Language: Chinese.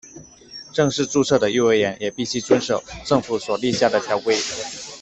正式注册的幼儿园也必须遵守政府所立下的条规。